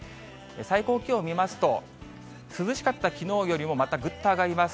最高気温を見ますと、涼しかったきのうよりも、またぐっと上がります。